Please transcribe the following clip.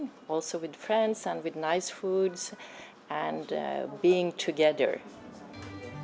cơm cơm với bạn món ăn ngon và hòa hợp